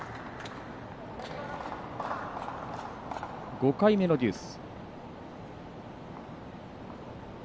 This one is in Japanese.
５回目のデュース。